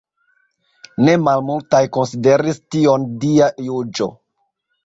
Ne malmultaj konsideris tion dia juĝo.